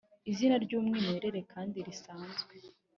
izina ry’umwimerere kandi risanzwe